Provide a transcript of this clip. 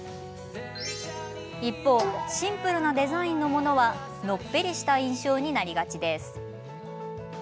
一方シンプルなデザインのものはのっぺりした印象になりがちです。